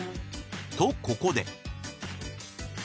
［とここで］